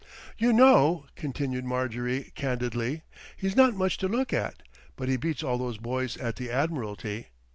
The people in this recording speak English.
"You know," continued Marjorie candidly, "he's not much to look at; but he beats all those boys at the Admiralty."